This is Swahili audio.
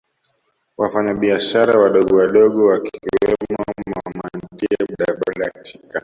wafanyabiashara wadogowadogo Wakiwemo mamantilie bodaboda katika